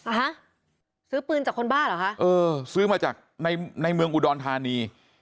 ฮะซื้อปืนจากคนบ้าเหรอคะเออซื้อมาจากในในเมืองอุดรธานี